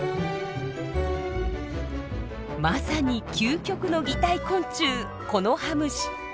まさに究極の擬態昆虫コノハムシ。